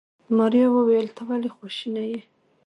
ماريا وويل ته ولې خواشيني يې.